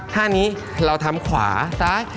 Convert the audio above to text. ท่านี้เราทำขวาซ้าย